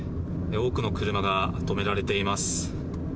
多くの車が止められています。